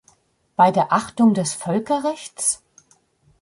Bei der Achtung des Völkerrechts?